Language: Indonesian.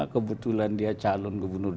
kebetulan dia calon kebenaran